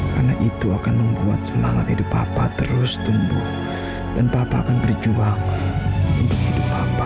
karena itu akan membuat semangat hidup papa terus tumbuh dan papa akan berjuang untuk hidup papa